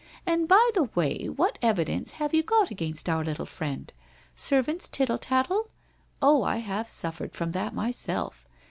And by the way what evidence have you got against our little friend? Servants' tittle tattle? Oh, I have suffered from that myself.